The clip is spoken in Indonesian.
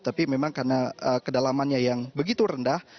tapi memang karena kedalamannya yang begitu rendah